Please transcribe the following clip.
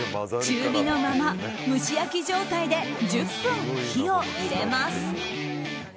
中火のまま蒸し焼き状態で１０分火を入れます。